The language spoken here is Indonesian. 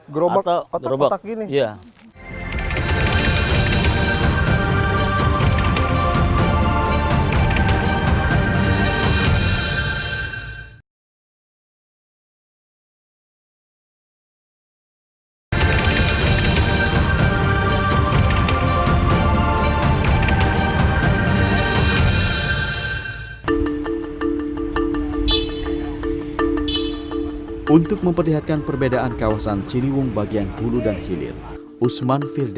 gerobak kotak kotak gini